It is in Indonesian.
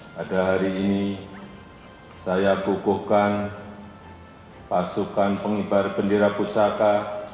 pada hari ini saya kukuhkan pasukan pengibar bendera pusaka